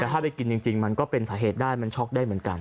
แต่ถ้าได้กินจริงมันก็เป็นสาเหตุได้มันช็อกได้เหมือนกัน